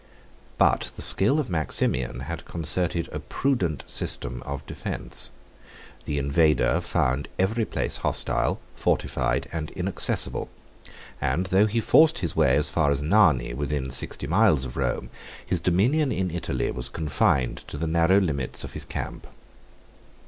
But the skill of Maximian had concerted a prudent system of defence. The invader found every place hostile, fortified, and inaccessible; and though he forced his way as far as Narni, within sixty miles of Rome, his dominion in Italy was confined to the narrow limits of his camp.